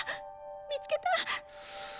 見つけた？